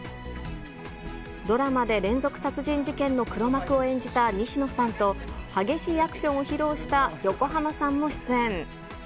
ドラマで連続殺人事件の黒幕を演じた西野さんと、激しいアクションを披露した横浜さんも出演。